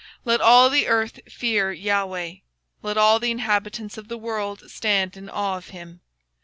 Let all the earth fear the LORD: Let all the inhabitants of the world stand in awe of him.